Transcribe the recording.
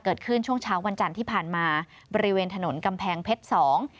ช่วงเช้าวันจันทร์ที่ผ่านมาบริเวณถนนกำแพงเพชรสอง